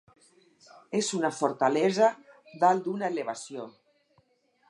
És una fortalesa dalt d'una elevació.